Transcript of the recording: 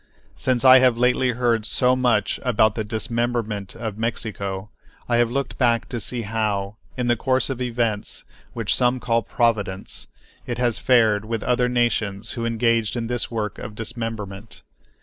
Since I have lately heard so much about the dismemberment of Mexico I have looked back to see how, in the course of events, which some call "providence," it has fared with other nations who engaged in this work of dismemberment.